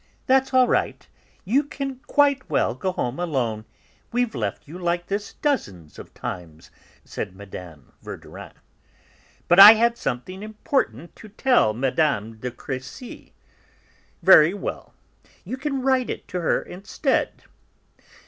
"That's all right, you can quite well go home alone; we've left you like this dozens of times," said Mme. Verdurin. "But I had something important to tell Mme. de Crécy." "Very well, you can write it to her instead."